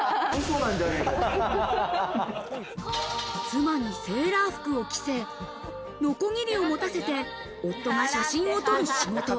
妻にセーラー服を着せ、ノコギリを持たせて、夫が写真を撮る仕事。